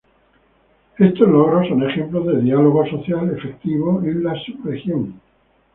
Estos logros son ejemplos de diálogo social efectivo en la subregión.